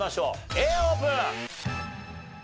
Ａオープン。